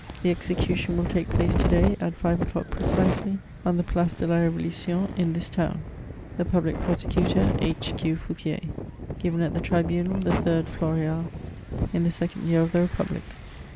The execution will take place to day, at five o'clock precisely, on the Place de la Revolution, in this town. ", The Public Prosecutor, H. Q. FOUQUOBB. <' Given at the Tribunal, the 3rd Mortal, in the second year of the Republic.